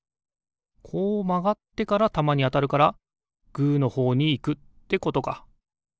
こうまがってからたまにあたるからグーのほうにいくってことか。